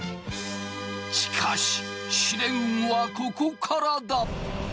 しかし試練はここからだ。